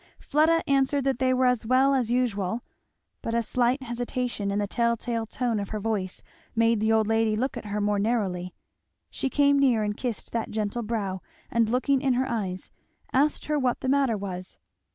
Fleda answered that they were as well as usual, but a slight hesitation and the tell tale tone of her voice made the old lady look at her more narrowly. She came near and kissed that gentle brow and looking in her eyes asked her what the matter was?